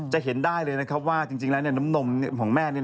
จะเห็นได้เลยว่าจริงแล้วน้ำนมของแม่